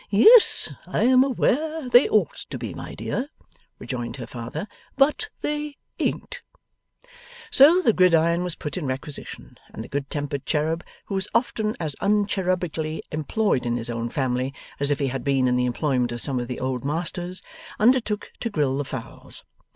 'Yes, I am aware they ought to be, my dear,' rejoined her father, 'but they ain't.' So, the gridiron was put in requisition, and the good tempered cherub, who was often as un cherubically employed in his own family as if he had been in the employment of some of the Old Masters, undertook to grill the fowls.